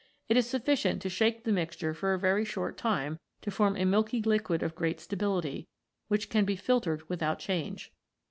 It is sufficient to shake the mixture for a very short time to form a milky liquid of great stability, which can be filtered without change.